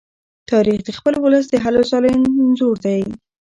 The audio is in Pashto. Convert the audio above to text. تاریخ د خپل ولس د هلو ځلو انځور دی.